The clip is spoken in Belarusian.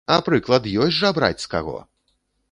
А прыклад ёсць жа браць з каго!